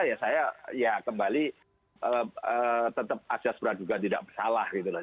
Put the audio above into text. ya saya ya kembali tetap asas peraduga tidak bersalah gitu lah